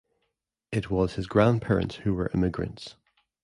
It was his grandparents who were immigrants.